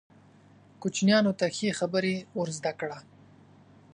کوچنیانو ته ښې خبرې ور زده کړه.